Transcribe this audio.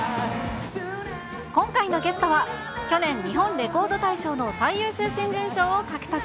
今回のゲストは、去年、日本レコード大賞の最優秀新人賞を獲得。